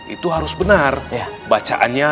itu harus benar bacaannya